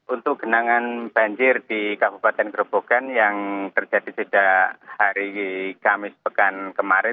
untuk genangan banjir di kabupaten gerobogan yang terjadi sejak hari kamis pekan kemarin